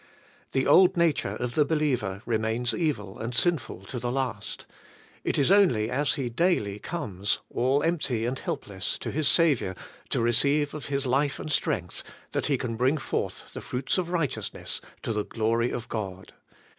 The old nature of the believer re mains evil and sinful to the last; it is only as he daily comes, all empty and helpless, to his Saviour to re ceive of His life and strength, that he can bring forth the fruits of righteousness to the glory of God.